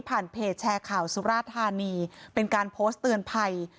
เพจแชร์ข่าวสุราธานีเป็นการโพสต์เตือนภัย